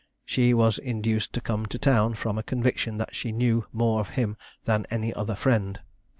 She was induced to come to town, from a conviction that she knew more of him than any other friend.